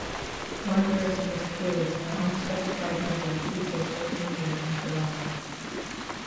One person was killed and an unspecified number of people were injured in Calama.